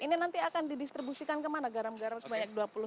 ini nanti akan didistribusikan kemana garam garam sebanyak dua puluh